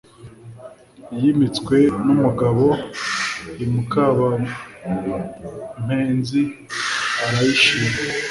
Yimitswe n'umugabo I Makabampenzi barayishima.